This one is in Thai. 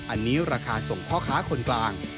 อันนี้ราคาส่งพ่อค้าคนกลาง